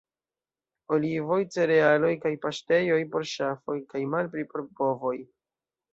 Olivoj, cerealoj kaj paŝtejoj por ŝafoj kaj malpli por bovoj.